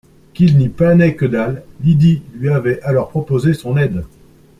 qu’il n’y panait que dalle. Lydie lui avait alors proposé son aide